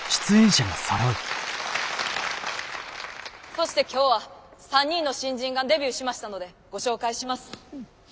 そして今日は３人の新人がデビューしましたのでご紹介します。